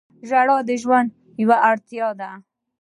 • ژړا د ژوند یوه اړتیا ده.